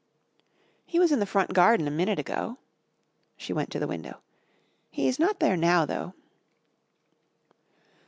"He was in the front garden a minute ago." She went to the window. "He's not there now, though."